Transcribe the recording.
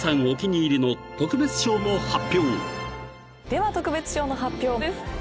お気に入りの特別賞も発表］では特別賞の発表です。